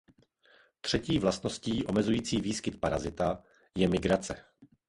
Třetí vlastností omezující výskyt parazita je "migrace".